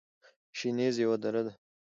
شنیز یوه دره ده